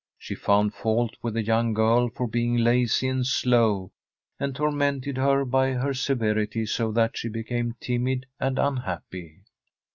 She found fault with the young girl for being lazy and slow, and tormented her by her severity so that she became timid and unhappy.